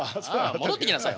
戻ってきなさい。